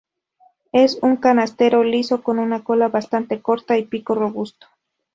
Es un canastero liso, con una cola bastante corta y pico robusto.